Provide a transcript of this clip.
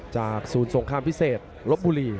จากศูนย์สงครามพิเศษลบบุรี